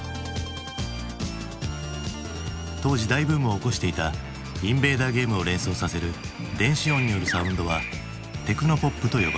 当時大ブームを起こしていたインベーダーゲームを連想させる電子音によるサウンドはテクノポップと呼ばれる。